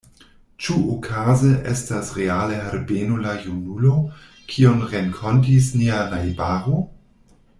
Ĉu okaze estas reale Herbeno la junulo, kiun renkontis nia najbaro?